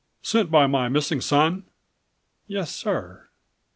"Sent by my missing son?" "Yes, sir."